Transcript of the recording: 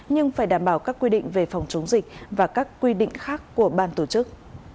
nhưng phải đảm bảo các quy định về phòng chống dịch và các quy định khác của ban tổ chức